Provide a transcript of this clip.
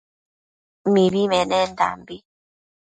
Mibi menendanbi